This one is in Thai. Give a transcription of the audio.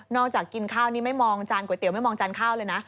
กินข้าวนี่ไม่มองจานก๋วเตี๋ไม่มองจานข้าวเลยนะ